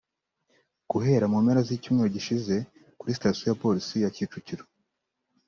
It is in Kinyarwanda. Guhera mu mpera z’icyumweru gishize kuri station ya polisi ya Kicukiro